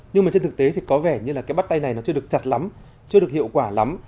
nhưng mà trên thực tế thì có vẻ như là cái bắt tay này nó chưa được chặt lắm chưa được hiệu quả lắm